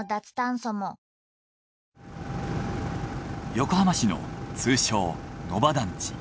横浜市の通称野庭団地。